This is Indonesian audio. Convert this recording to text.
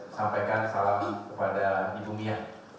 sampaikan salam kepada ibu mia